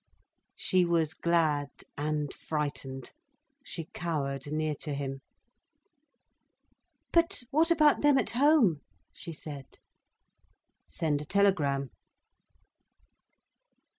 She was glad and frightened. She cowered near to him. "But what about them at home?" she said. "Send a telegram."